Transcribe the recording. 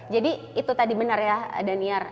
jadi itu tadi benar ya daniar